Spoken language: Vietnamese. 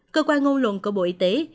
cơ quan ngôn luận của bộ y tế